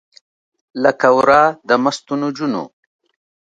لکه ورا د مستو نجونو